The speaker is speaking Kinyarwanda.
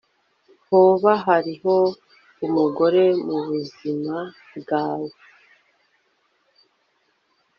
Hoba hariho umugore mubuzima bwawe